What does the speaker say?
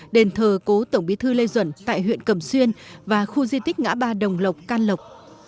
đền thờ cố tổng bí thư lê duẩn tại huyện cầm xuyên và khu di tích ngã ba đồng lộc can lộc